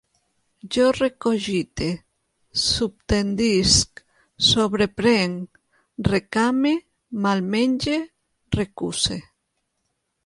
Jo recogite, subtendisc, sobreprenc, recame, malmenge, recuse